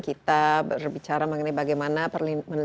kita berbicara mengenai bagaimana melindungi anak anak indonesia